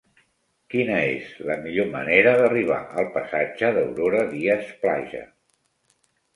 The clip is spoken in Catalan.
Quina és la millor manera d'arribar al passatge d'Aurora Díaz Plaja?